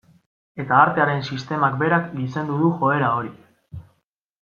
Eta artearen sistemak berak gizendu du joera hori.